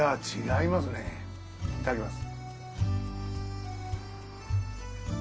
いただきます。